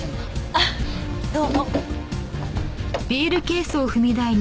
あっどうも。